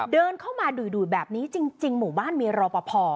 เดินเข้ามาดุดแบบนี้จริงหมู่บ้านมีรอปภ